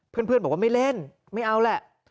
เพื่อนบอกว่าไม่เล่นไม่เอาแหละ